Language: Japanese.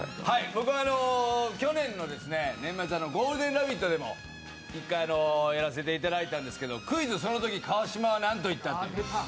僕は去年の年末、「ゴールデンラヴィット！」でも１回、やらせてもらったんですが、「クイズ！そのとき川島はなんと言った？」